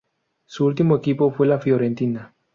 Su último equipo fue la Fiorentina.